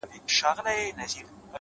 ستا جدايۍ ته به شعرونه ليکم؛